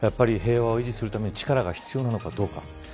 平和を維持するために力が必要なのかどうか。